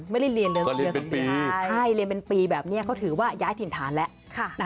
ไม่ได้เรียนเลยเรียนปีใช่เรียนเป็นปีแบบนี้เขาถือว่าย้ายถิ่นฐานแล้ว